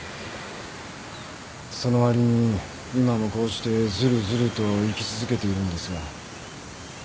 そのわりに今もこうしてずるずると生き続けているんですが。